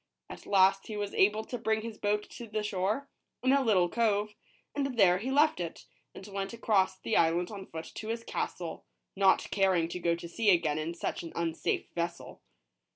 At last he was able to bring his boat to the shore, in a little cove ; and there he left it, and went across the island on foot to his castle, not caring to go to sea again in such an unsafe vessel.